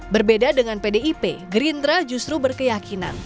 berbeda dengan pdip gerindra justru berkeyakinan